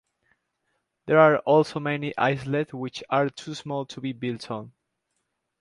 There are also many islets which are too small to be built on.